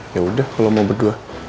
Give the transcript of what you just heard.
yaudah kalau mau berdua